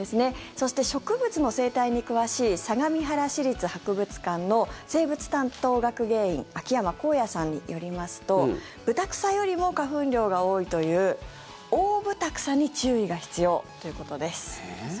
そして植物の生態に詳しい相模原市立博物館の生物担当学芸員秋山幸也さんによりますとブタクサよりも花粉量が多いというオオブタクサに注意が必要ということです。